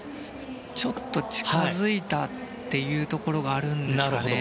ちょっと近づいたというところがあるんですかね。